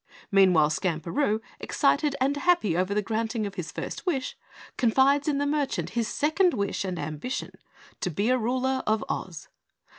Meanwhile, Skamperoo, excited and happy over the granting of his first wish, confides in the merchant his second wish and ambition to be ruler of Oz.